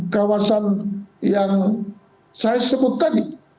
kawasan yang saya sebut tadi